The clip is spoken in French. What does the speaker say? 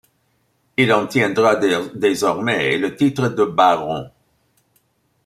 Il en tiendra désormais le titre de baron.